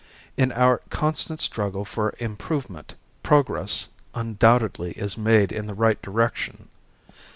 In our constant struggle for improvement, progress undoubtedly is made in the right direction.